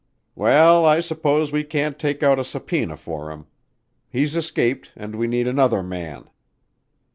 "Well, I suppose we can't take out a subpoena for him. He's escaped and we need another man."